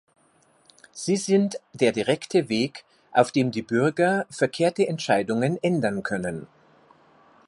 Sie sind der direkte Weg, auf dem die Bürger verkehrte Entscheidungen ändern können.